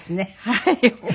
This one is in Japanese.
はい。